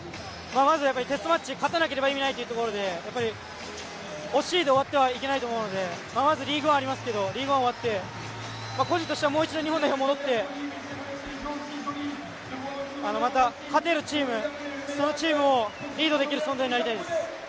テストマッチを勝たなければ意味ないというところで惜しいで終わってはいけないと思うので、リードはありますけどリーグワンが終わって、個人としてはもう一度日本代表に戻って、また勝てるチーム、そのチームをリードできる存在になりたいです。